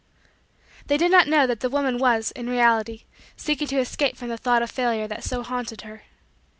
They did not know that the woman was, in reality, seeking to escape from the thought of Failure that so haunted her.